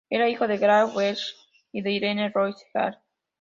Era hijo de Grady Webster Sr. y de Irena Lois Heard.